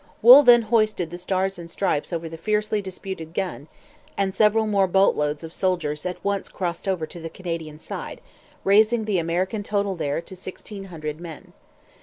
Wool then hoisted the Stars and Stripes over the fiercely disputed gun; and several more boatloads of soldiers at once crossed over to the Canadian side, raising the American total there to sixteen hundred men.